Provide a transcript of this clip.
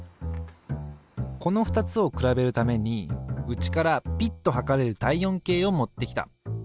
この２つを比べるためにうちからぴっと測れる体温計を持ってきた。